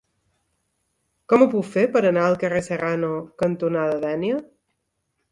Com ho puc fer per anar al carrer Serrano cantonada Dénia?